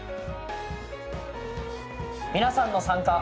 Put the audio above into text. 皆さんの参加。